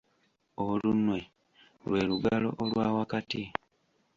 Olunwe lwe lugalo olwa wakati.